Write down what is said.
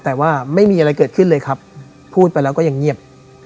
แต่ว่าไม่มีอะไรเกิดขึ้นเลยครับพูดไปแล้วก็ยังเงียบ